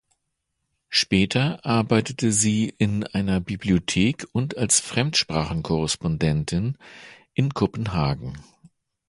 Später arbeitete sie in einer Bibliothek und als Fremdsprachenkorrespondentin in Kopenhagen.